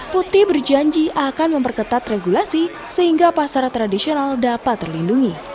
putih berjanji akan memperketat regulasi sehingga pasar tradisional dapat terlindungi